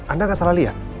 anda nggak salah lihat